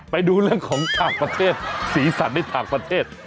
ไปดูเรื่องของต่างประเทศสีสันในต่างประเทศ